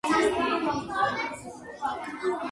მის ტერიტორიაზე მდებარეობს წმინდა ანა-მარიას ეროვნული პარკი.